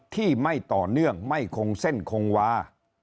ที่ไม่ต่อเนื่องไม่คงเส้นคงวา